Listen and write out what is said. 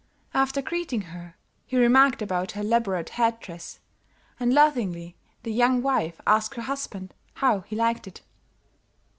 "After greeting her, he remarked about her elaborate head dress, and laughingly the young wife asked her husband how he liked it.